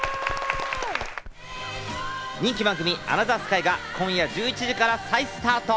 人気番組『アナザースカイ』が今夜１１時から再スタート。